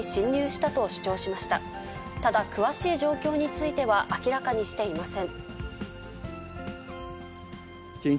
ただ、詳しい状況については明らかにしていません。